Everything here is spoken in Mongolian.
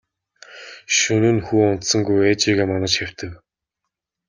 Шөнө нь хүү унтсангүй ээжийгээ манаж хэвтэв.